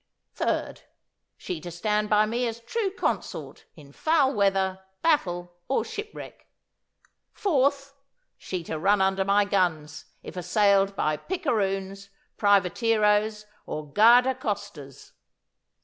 '"Third. She to stand by me as true consort in foul weather, battle, or shipwreck."' '"Fourth. She to run under my guns if assailed by picaroons, privateeros, or garda costas."